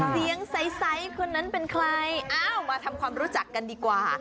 เสียงใสคนนั้นเป็นใครอ้าวมาทำความรู้จักกันดีกว่า